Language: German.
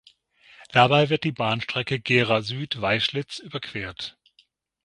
Dabei wird die Bahnstrecke Gera Süd–Weischlitz überquert.